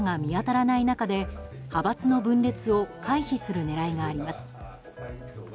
衆目の一致する後継者が見当たらない中で派閥の分裂を回避する狙いがあります。